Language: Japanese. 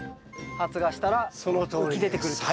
発芽したら浮き出てくると。